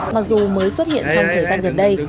mặc dù mới xuất hiện trong thời gian gần đây